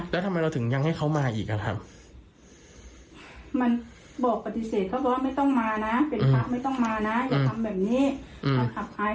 แล้วทำไมเราถึงยังให้เขามาอีกมันบอกปฏิเสธเขาก็ไม่ต้องมานะเป็นภาพไม่ต้องมานะอย่าทำแบบนี้